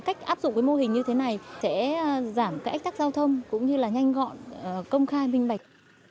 cách áp dụng cái mô hình như thế này sẽ giảm cái ách tắc giao thông cũng như là nhanh gọn công khai minh bạch